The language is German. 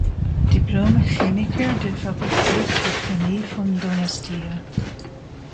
Diplom-Chemiker der Fakultät für Chemie von Donostia.